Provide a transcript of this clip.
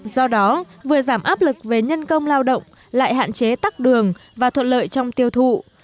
do đó vừa giảm áp lực về nhân công lao động lại hạn chế tắc đường và thuận lợi trong tiêu thụ